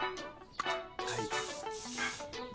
はい。